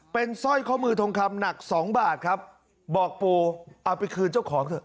เป็นสร้อยข้อมือทองคำหนักสองบาทครับบอกปูเอาไปคืนเจ้าของเถอะ